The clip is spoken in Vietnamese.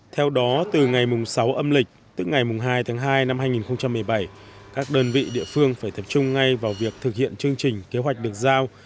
theo đó từ ngày sáu âm lịch tức ngày hai tháng hai năm hai nghìn một mươi bảy các đơn vị địa phương phải tập trung ngay vào việc thực hiện chương trình kế hoạch được giao